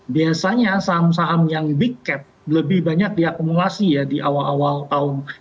biasanya saham saham yang big cap lebih banyak diakumulasi ya di awal awal tahun